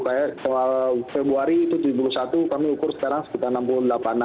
kayak soal februari itu tujuh puluh satu kami ukur sekarang sekitar enam puluh delapan